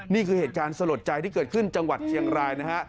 นี่คือเหตุการณ์สลดใจที่เกิดขึ้นจังหวัดเชียงรายนะฮะ